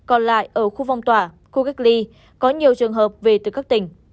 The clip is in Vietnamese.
còn lại ở khu phong tỏa khu cách ly có nhiều trường hợp về từ các tỉnh